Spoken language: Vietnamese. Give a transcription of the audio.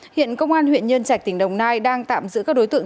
hiện công an huyện nhân trạch tỉnh đồng nai đang tạm giữ các đối tượng